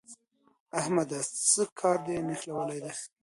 احمده! څه کار دې نښلولی دی؟